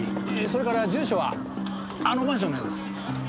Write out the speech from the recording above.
それから住所はあのマンションのようです。